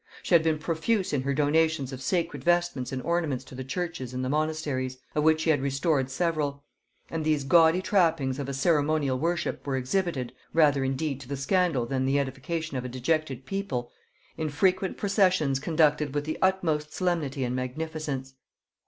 She had been profuse in her donations of sacred vestments and ornaments to the churches and the monasteries, of which she had restored several; and these gaudy trappings of a ceremonial worship were exhibited, rather indeed to the scandal than the edification of a dejected people, in frequent processions conducted with the utmost solemnity and magnificence.